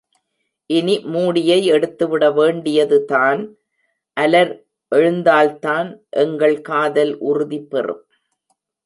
இனி மூடியை எடுத்துவிட வேண்டியதுதான். அலர் எழுந்தால்தான் எங்கள் காதல் உறுதிபெறும்.